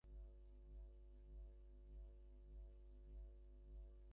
বিকালের ছুটির পর, শীতের দিনে, বাড়ি আসতে আসতে পথেই সন্ধ্যা হয়ে যেত।